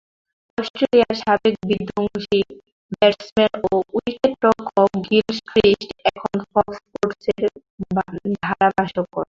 অস্ট্রেলিয়ার সাবেক বিধ্বংসী ব্যাটসম্যান ও উইকেটরক্ষক গিলক্রিস্ট এখন ফক্স স্পোর্টসের ধারাভাষ্যকার।